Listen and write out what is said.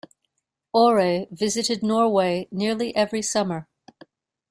Ore visited Norway nearly every summer.